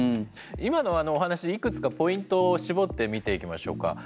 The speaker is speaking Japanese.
今のお話でいくつかポイントを絞って見ていきましょうか。